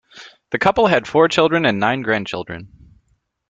The couple had four children and nine grandchildren.